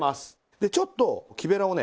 でちょっと木べらをね